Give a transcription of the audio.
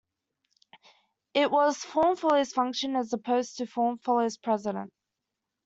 It was "form follows function", as opposed to "form follows precedent".